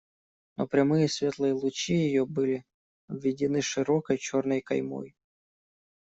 Но прямые светлые лучи ее были обведены широкой черной каймой.